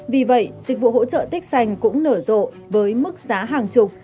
vì vậy dịch vụ hỗ trợ tích sành cũng nở rộ với mức giá hàng chục